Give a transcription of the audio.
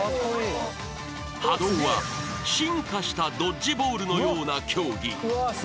［ＨＡＤＯは進化したドッジボールのような競技］